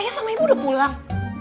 iya sama ibu udah pulang